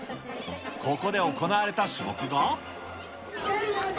ここで行われた種目が。